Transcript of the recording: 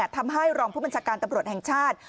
ทำให้รองผู้บัญชาการตำรวจแห่งชาติ